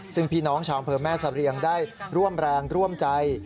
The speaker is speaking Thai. ซึ่งพี่น้องชาวอำเภอแม่เสรียงได้ร่วมแรงร่วมใจ